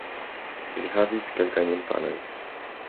Ili havis kelkajn infanojn.